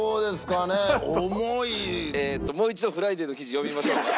もう一度『ＦＲＩＤＡＹ』の記事読みましょうか？